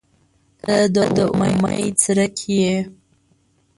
• ته د امید څرک یې.